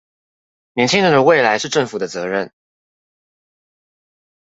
年輕人的未來是政府的責任